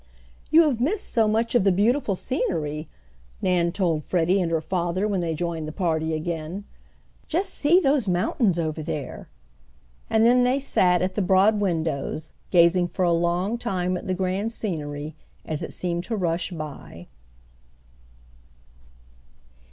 "You have missed so much of the beautiful scenery," Nan told Freddie and her father when they joined the party again. "Just see those mountains over there," and then they sat at the broad windows gazing for a long time at the grand scenery as it seemed to rush by.